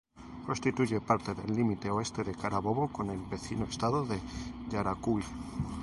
Constituye parte del límite oeste de Carabobo con el vecino estado de Yaracuy.